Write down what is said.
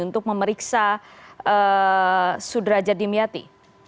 untuk memeriksa sudraja dimyati